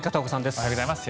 おはようございます。